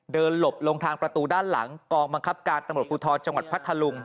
หลบลงทางประตูด้านหลังกองบังคับการตำรวจภูทรจังหวัดพัทธลุง